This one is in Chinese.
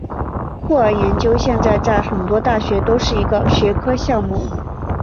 酷儿研究现在在很多大学都是一个学科项目。